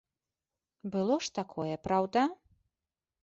Было ж такое, праўда?